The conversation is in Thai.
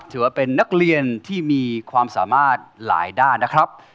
ถือว่าเป็นนักเรียนที่มีความสามารถหลายด้านนะครับ